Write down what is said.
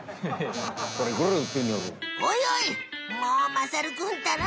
もうまさるくんったら。